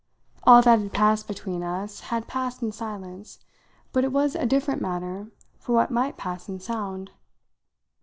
All that had passed between us had passed in silence, but it was a different matter for what might pass in sound.